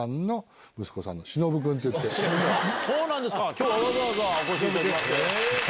今日はわざわざお越しいただきまして。